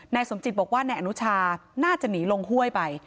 สมจิตบอกว่านายอนุชาน่าจะหนีลงห้วยไป